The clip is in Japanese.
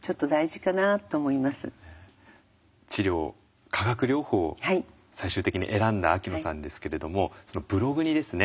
治療化学療法を最終的に選んだ秋野さんですけれどもそのブログにですね